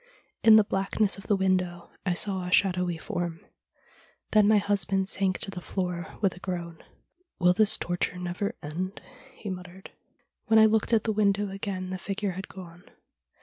In the blackness of the window I saw a shadowy form. Then my husband sank to the floor with a groan. " Will this torture never end ?" he muttered. ' When I looked at the window again the figure had gone.